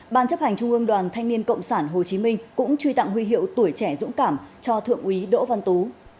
ban chấp hành trung ương đoàn thanh niên cộng sản hồ chí minh cũng truy tặng huy hiệu tuổi trẻ dũng cảm cho thượng úy đỗ văn tú